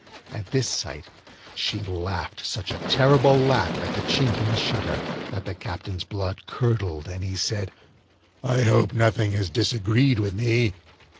At this sight she laughed such a terrible laugh at the chink in the shutter, that the Captain's blood curdled, and he said: 'I hope nothing has disagreed with me!